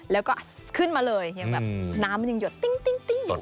แล้วก็ขึ้นมาเลยยังแบบน้ำยังหยดติ๊งติ๊ง